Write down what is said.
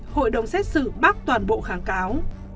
hội đồng xét xử bác toàn bộ kháng cáo